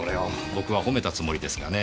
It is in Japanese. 僕はほめたつもりですがねえ。